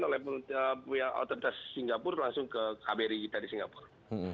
tadi pagi sudah diperintahkan oleh autonetsingapura langsung ke kbri kita di singapura